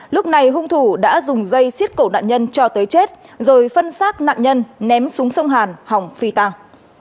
lúc này hung thủ đã dùng dây xiết cổ nạn nhân cho tới chết rồi phân xác nạn nhân ném súng sông hàn hỏng phi tàng